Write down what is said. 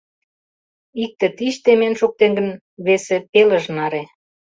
Икте тич темен шуктен гын, весе — пелыж наре.